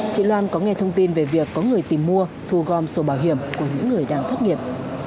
chị loan có nghe thông tin về việc có người tìm mua thu gom sổ bảo hiểm của những người đang thất nghiệp